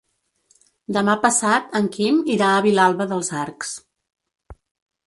Demà passat en Quim irà a Vilalba dels Arcs.